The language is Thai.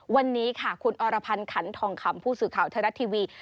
วันนี้ค่ะคุณอรพันธ์ขันทองคำผู้สื่อข่าวไทยรัฐทีวี